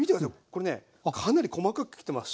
これねかなり細かく切ってます。